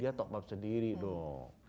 dia tokpat sendiri dong